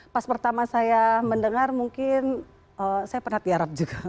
pas pertama saya mendengar mungkin saya pernah tiarap juga